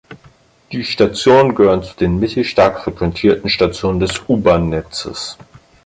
Die Station gehört zu den mittelstark frequentierten Station des U-Bahn-Netzes.